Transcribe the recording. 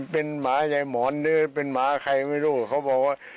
เป็นหมายายหมอนหรือเป็นหมาใครไม่รู้เขาบอกว่า